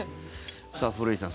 さあ古市さん。